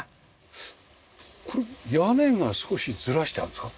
これ屋根が少しずらしてあるんですか？